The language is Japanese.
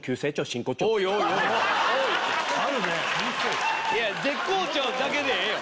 多いあるねいや絶好調だけでええよ